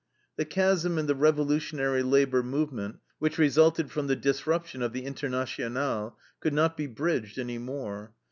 The chasm in the revolutionary labor movement, which resulted from the disruption of the INTERNATIONALE, could not be bridged any more.